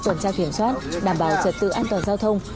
tuần tra kiểm soát đảm bảo trật tự an toàn giao thông